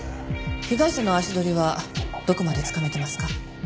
被害者の足取りはどこまでつかめてますか？